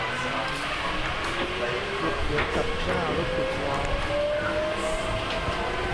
เก็บเหรียญตัดหน้ารถสิบล้อ